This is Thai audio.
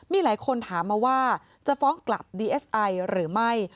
มีหลายคนถามมาว่าจะฟ้องกลับดีเอสไอหรือไม่